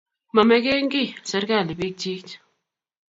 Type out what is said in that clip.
mamekengiy serikalit biikchich.